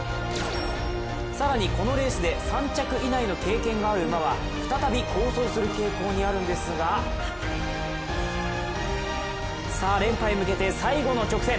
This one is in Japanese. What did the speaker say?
更にこのレースで３着以内の経験がある馬は再び好走する傾向にあるんですがさあ、連覇へ向けて最後の直線。